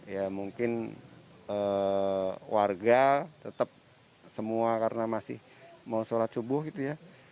ya mungkin warga tetap semua karena masih mau sholat subuh gitu ya